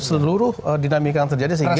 seluruh dinamika yang terjadi sehingga